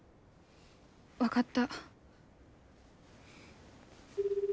分かった。